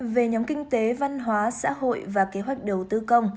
về nhóm kinh tế văn hóa xã hội và kế hoạch đầu tư công